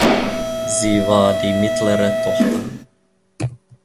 Sie war die mittlere Tochter.